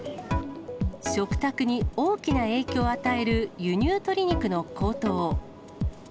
食卓に大きな影響を与える輸入鶏肉の高騰。